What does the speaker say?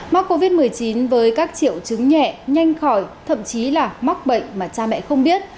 mắc covid một mươi chín với các triệu chứng nhẹ nhanh khỏi thậm chí là mắc bệnh mà cha mẹ không biết